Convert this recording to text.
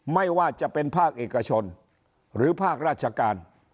ไม่ว่าจะเป็นภาคเอกชนหรือภาคราชการ